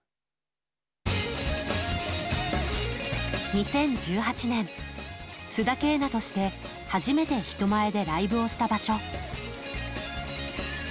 ２０１８年、須田景凪として初めて人前でライブをした場所。